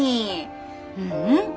ううん。